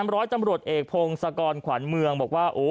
ร้อยตำรวจเอกพงศกรขวัญเมืองบอกว่า